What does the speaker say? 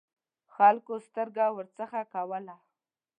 خلکو سترګه ورڅخه کوله.